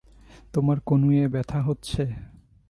তোমার কনুইয়ে ব্যথা হচ্ছে?